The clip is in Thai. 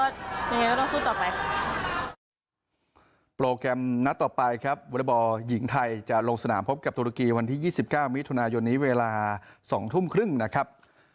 แต่ว่ายังไงก็ต้องสู้ต่อไป